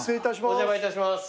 お邪魔いたします。